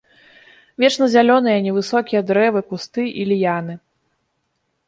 Вечназялёныя невысокія дрэвы, кусты і ліяны.